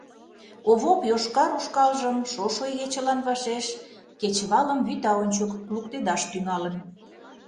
Овоп йошкар ушкалжым шошо игечылан вашеш кечывалым вӱта ончык луктедаш тӱҥалын.